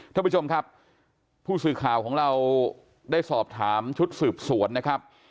ท่านผู้ชมครับผู้สื่อข่าวของเราได้สอบถามชุดสืบสวนนะครับ